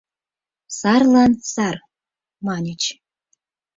«Сарлан — сар!» — маньыч.